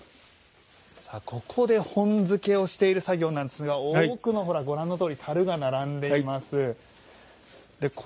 ここで本漬けをしている作業なんですが多くのたるが並んでいます。